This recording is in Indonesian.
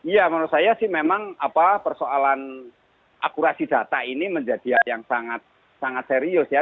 ya menurut saya sih memang persoalan akurasi data ini menjadi hal yang sangat serius ya